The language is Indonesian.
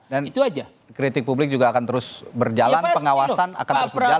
dan kritik publik juga akan terus berjalan pengawasan akan terus berjalan